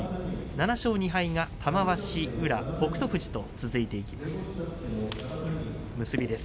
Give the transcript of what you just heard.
７勝２敗が玉鷲、宇良北勝富士と続いていきます。